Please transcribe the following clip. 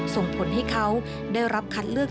ส่งผลให้เขาได้รับคัดเลือก